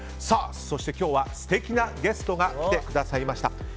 そして今日は素敵なゲストが来てくださいました。